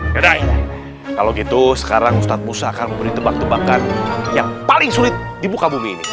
yaudah ini kalau gitu sekarang ustadz musa akan memberi tembak tembakan yang paling sulit di muka bumi ini